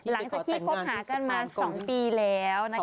หลังจากที่คบหากันมา๒ปีแล้วนะคะ